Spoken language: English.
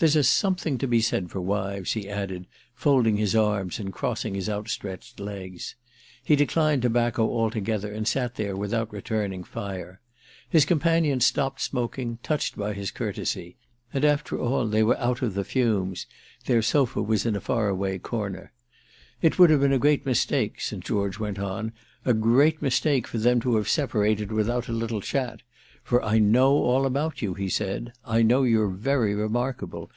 There's a something to be said for wives," he added, folding his arms and crossing his outstretched legs. He declined tobacco altogether and sat there without returning fire. His companion stopped smoking, touched by his courtesy; and after all they were out of the fumes, their sofa was in a far away corner. It would have been a mistake, St. George went on, a great mistake for them to have separated without a little chat; "for I know all about you," he said, "I know you're very remarkable.